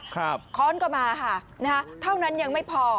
ค้อนก็มาค่ะนะฮะเท่านั้นยังไม่พอ